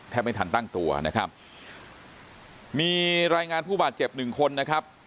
ไม่ทันตั้งตัวนะครับมีรายงานผู้บาดเจ็บหนึ่งคนนะครับ